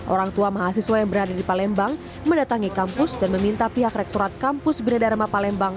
orang tua mahasiswa yang berada di palembang mendatangi kampus dan meminta pihak rektorat kampus bina dharma palembang